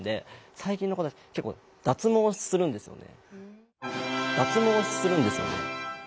最近の子は結構脱毛するんですよね。